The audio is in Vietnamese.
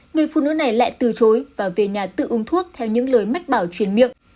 người phụ nữ này lại từ chối và về nhà tự uống thuốc theo những lời mách bảo chuyển miệng